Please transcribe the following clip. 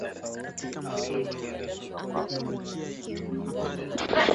Binamu ashatoka